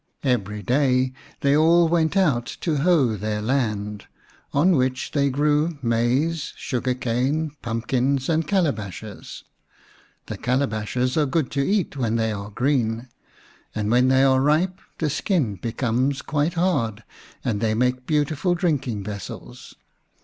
Every day they all went out to hoe their land, on which they grew maize, sugar cane, pumpkins, and calabashes. The calabashes are good to eat when they are green, and when they are ripe the skin becomes quite hard, and they make beautiful drinking vessels.